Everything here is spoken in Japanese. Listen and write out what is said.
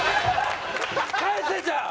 返せじゃあ！